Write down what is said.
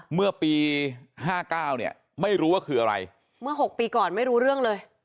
เมื่อปี๕๙เนี่ยไม่รู้ว่าคืออะไรเมื่อ๖ปีก่อนไม่รู้เรื่องเลย